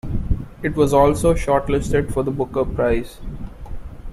It was also shortlisted for the Booker Prize.